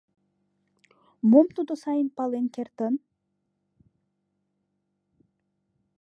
Мом тудо сайын пален кертын?